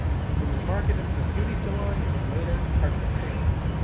It was marketed through beauty salons and, later, department stores.